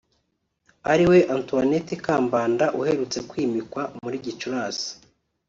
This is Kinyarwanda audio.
ariwe Antoine Kambanda uherutswe kwimikwa muri gicurasi